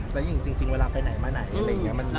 และจริงเวลาไปไหนมาไหน